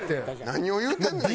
何を言うてんねん。